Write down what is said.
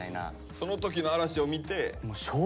その時の嵐を見て。